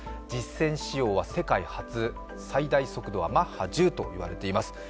実戦使用は世界初、最大速度はマッハ１０と言われています。